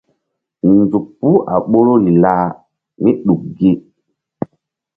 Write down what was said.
Nzuk puh a ɓoruri lah míɗuk gi.